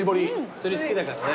釣り好きだからね。